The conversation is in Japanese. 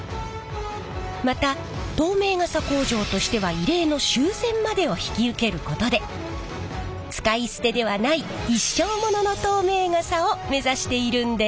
また透明傘工場としては異例の修繕までを引き受けることで使い捨てではない一生モノの透明傘を目指しているんです！